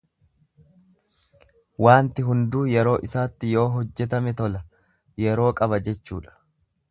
Waanti hunduu yeroo isaatti yoo hojjetame tola yeroo qaba jechuudha.